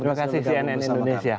terima kasih cnn indonesia